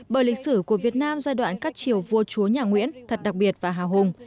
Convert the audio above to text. bởi lịch sử của việt nam giai đoạn các triều vua chúa nhà nguyễn thật đặc biệt và hào hùng